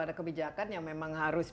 ada kebijakan yang memang harus